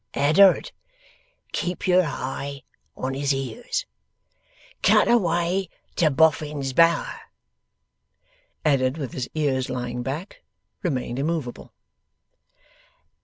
'Eddard! (keep yer hi on his ears) cut away to Boffin's Bower!' Edward, with his ears lying back, remained immoveable.